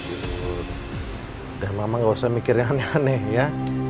udah mama gak usah mikirnya aneh aneh ya